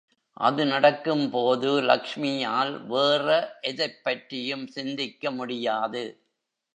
அது நடக்கும்போது லக்ஷ்மியால் வேற எதைப்பற்றியும் சிந்திக்க முடியாது.